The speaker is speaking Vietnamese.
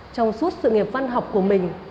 trong suốt sự nghiệp văn học của mình